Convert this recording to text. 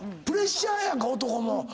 プレッシャーやんか男も。